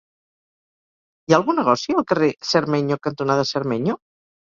Hi ha algun negoci al carrer Cermeño cantonada Cermeño?